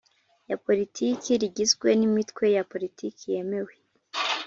ya Politiki rigizwe n imitwe ya politiki yemewe